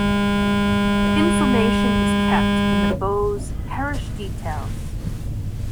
Information is kept in the Bowes parish details.